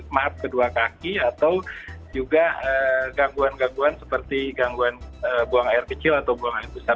maaf kedua kaki atau juga gangguan gangguan seperti gangguan buang air kecil atau buang air besar